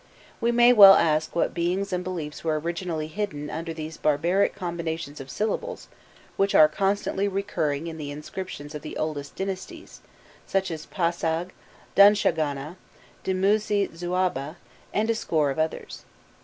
We may well ask what beings and beliefs were originally hidden under these barbaric combinations of syllables which are constantly recurring in the inscriptions of the oldest dynasties, such as Pasag, Dunshagana, Dumuzi . Zuaba, and a score of others.